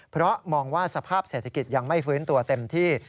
เพราะมองว่าสภาพเศรษฐกิจยังไม่ฟื้นตัวเต็มที่